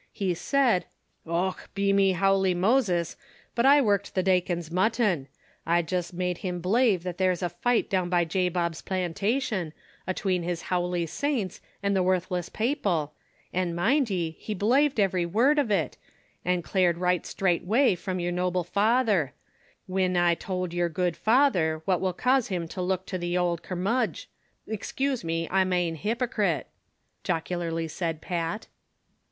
He said :" Och, be me howly :Moses, but T worked the dacon's mut ton ; I jist made him belave that there was a fight down by .Jabob's plantation, atween his howly saints an' the worthless paople, an' mind ye, he belaved every word uv it, an' Glared right strate away from yer noble father ; whin I tould yer good father, what will cause him to look to the ould curmudg— excuse me, I mane hypocret," jocu larly said Pat.